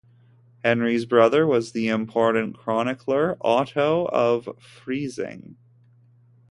Henry's brother was the important chronicler Otto of Freising.